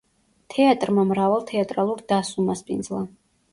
თეატრმა მრავალ თეატრალურ დასს უმასპინძლა.